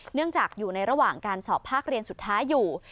เนื่องจากอยู่ในระหว่างการสอบภาคเรียนสุดท้ายอยู่